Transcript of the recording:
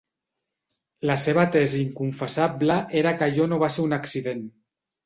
La seva tesi inconfessable era que allò no va ser un accident.